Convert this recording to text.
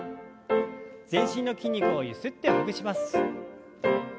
全身の筋肉をゆすってほぐします。